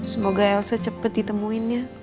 semoga elsa cepat ditemuin ya